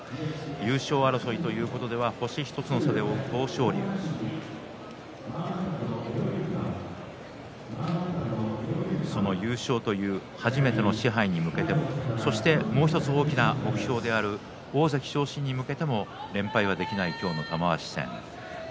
優勝争いということでは星１つの差で追う豊昇龍その優勝という初めての賜盃に向けてもそして、もう１つ大きな目標である大関昇進に向けても連敗はできない今日の玉鷲戦。